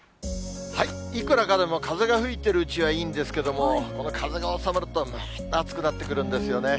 いくらかでも風が吹いてるうちはいいんですけども、この風が収まると、むわっと暑くなってくるんですよね。